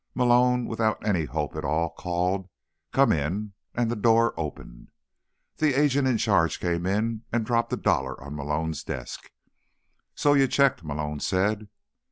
Malone, without any hope at all, called: "Come in," and the door opened. The agent in charge came in, and dropped a dollar on Malone's desk. "So you checked," Malone said.